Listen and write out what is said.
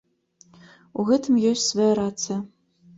У гэтым ёсць свая рацыя.